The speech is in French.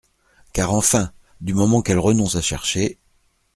Car enfin, du moment qu’elle renonce à chercher !…